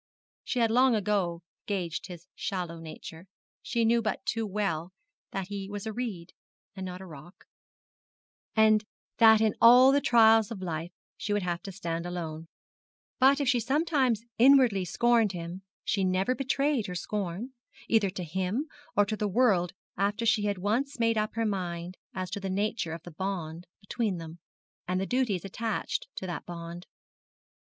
She had long ago gauged his shallow nature she knew but too well that he was a reed, and not a rock, and that in all the trials of life she would have to stand alone; but if she sometimes inwardly scorned him, she never betrayed her scorn, either to him or to the world after she had once made up her mind as to the nature of the bond between them, and the duties attached to that bond.